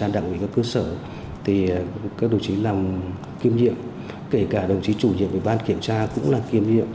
ở đây ở cơ sở thì các đồng chí làm kiềm nhiệm kể cả đồng chí chủ nhiệm về ban kiểm tra cũng là kiềm nhiệm